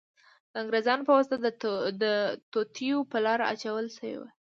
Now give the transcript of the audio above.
د انګریزانو په واسطه د توطیو په لار اچول شوې وې.